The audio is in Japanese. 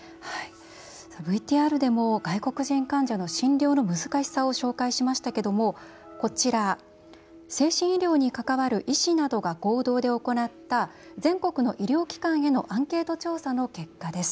ＶＴＲでも外国人患者の診療の難しさを紹介しましたけどもこちら、精神医療に関わる医師などが合同で行った全国の医療機関へのアンケート調査の結果です。